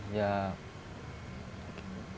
yang lainnya yang lainnya yang lainnya